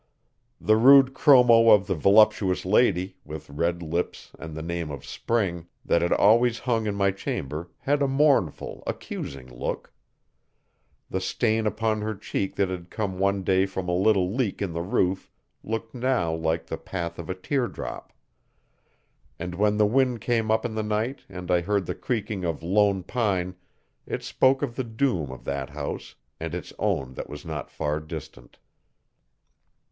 The rude chromo of the voluptuous lady, with red lips and the name of Spring, that had always hung in my chamber had a mournful, accusing look. The stain upon her cheek that had come one day from a little leak in the roof looked now like the path of a tear drop. And when the wind came up in the night and I heard the creaking of Lone Pine it spoke of the doom of that house and its own that was not far distant.